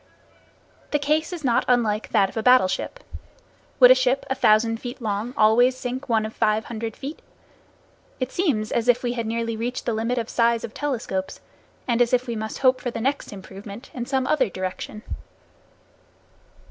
The case is not unlike that of a battleship. Would a ship a thousand feet long always sink one of five hundred feet? It seems as if we had nearly reached the limit of size of telescopes, and as if we must hope for the next improvement in some other direction.